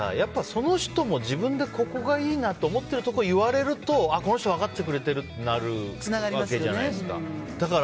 その人も自分でここがいいなって思ってるところを言われるとこの人分かってくれてるってなるわけじゃないですか。